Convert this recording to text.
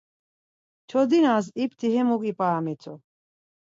Çodinas ipti hemuk ip̌aramitu: